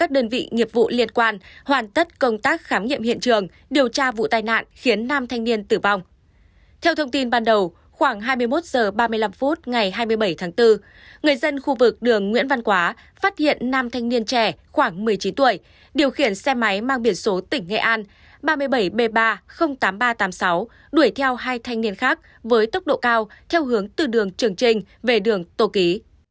điều khiển xe máy mang biển số tỉnh nghệ an ba mươi bảy b ba trăm linh tám nghìn ba trăm tám mươi sáu đuổi theo hai thanh niên khác với tốc độ cao theo hướng từ đường trường trinh về đường tổ ký